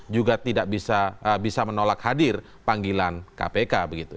juga tidak bisa menolak hadir panggilan kpk begitu